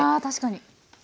確かに！